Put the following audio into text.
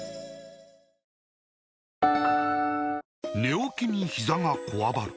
寝起きにひざがこわばる